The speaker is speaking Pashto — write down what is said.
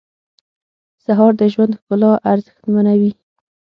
سهار د ژوند ښکلا ارزښتمنوي.